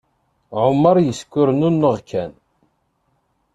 Ɛumaṛ yeskurnennaɣ kan.